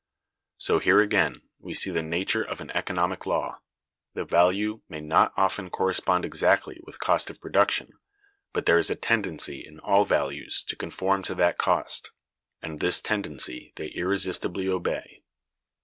So here again we see the nature of an economic law: the value may not often correspond exactly with cost of production, but there is a tendency in all values to conform to that cost, and this tendency they irresistibly obey.